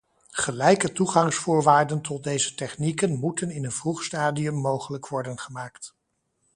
Gelijke toegangsvoorwaarden tot deze technieken moeten in een vroeg stadium mogelijk worden gemaakt.